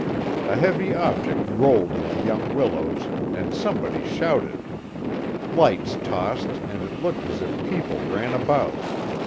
A heavy object rolled in the young willows and somebody shouted. Lights tossed and it looked as if people ran about.